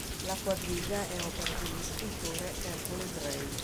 La "Quadriga" è opera dello scultore Ercole Drei.